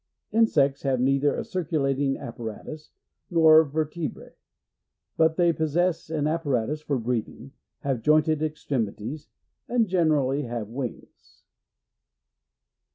Insects have neither a circulating apparatus, nor vertebrae ; but they possess an ap paratus for breathing, have jointed extremities, and generally have wings.